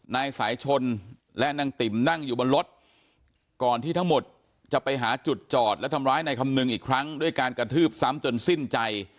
นายสายชนและนางติ๋มนั่งอยู่บนรถก่อนที่ทั้งหมดจะไปหาจุดจอดและทำร้ายนายคำนึงอีกครั้งด้วยการกระทืบซ้ำจนสิ้นใจ